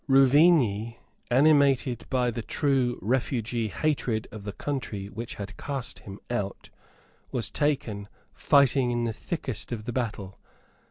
Ruvigny, animated by the true refugee hatred of the country which had cast him out, was taken fighting in the thickest of the battle.